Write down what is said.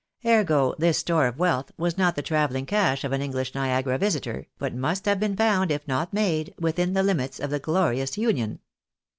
Ergo, this store of wealth was not the travelling cash of an Enghsh Niagara visitor, but must have been found, if not made, witliin the limits of the glorious Union.